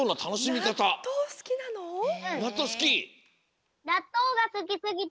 なっとうすき？